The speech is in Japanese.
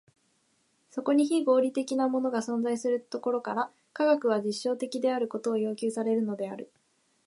そこに非合理的なものが存在するところから、科学は実証的であることを要求されるのである。